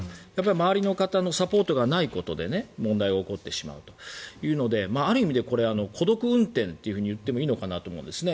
周りの方のサポートがないことで問題が起こってしまうというのである意味で孤独運転と言ってもいいのかなと思うんですね。